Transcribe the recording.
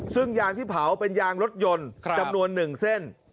ซึ่งยางที่เผาเป็นยางรถยนต์จำนวน๑เส้น